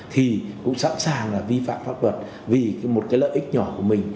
thì cũng sẵn sàng là vi phạm pháp luật vì một cái lợi ích nhỏ của mình